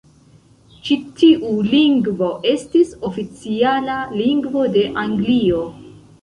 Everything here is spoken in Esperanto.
Ĉi tiu lingvo estis oficiala lingvo de Anglio.